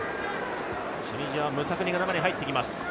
チュニジア、ムサクニが中に入ってきます。